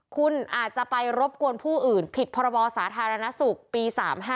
คุณอาจจะไปรบกวนผู้อื่นผิดพรบสาธารณสุขปี๓๕